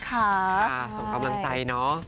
ส่งกำลังใจเนาะ